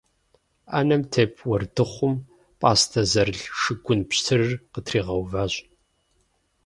Ӏэнэм тет уэрдыхъум пӏастэ зэрылъ шыгун пщтырыр къытригъэуващ.